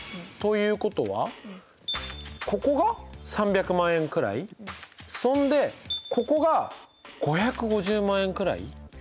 ということはここが３００万円くらいそんでここが５５０万円くらい。